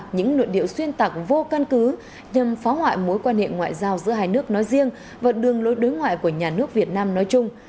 những nội điệu xuyên tạc vô căn cứ nhằm phá hoại mối quan hệ ngoại giao giữa hai nước nói riêng và đường lối đối ngoại của nhà nước việt nam nói chung